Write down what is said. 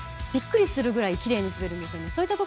びっくりするぐらいきれいに滑るので。